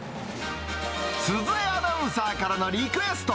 鈴江アナウンサーからのリクエスト。